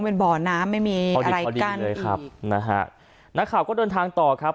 เป็นบ่อน้ำไม่มีอะไรกั้นเลยครับนะฮะนักข่าวก็เดินทางต่อครับ